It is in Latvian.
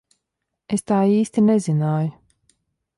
Es tā īsti nezināju.